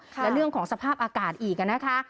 และเรื่องของสภาพอากาศอีกนะคะ